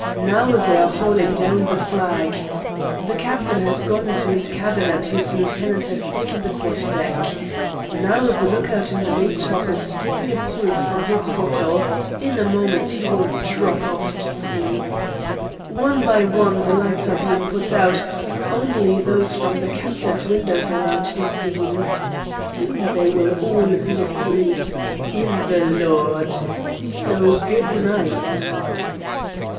... Now they are hauling down the flag. ... The captain has gone into his cabin and his lieutenant has taken the quarter deck. ... Now the look out in the main top is taking a pull from his bottle. In a moment he will drop off to sleep. ... One by one the lights are being put out; only those from the captain's windows are now to be seen. ... Soon they will all be asleep in the Lord! So good night!"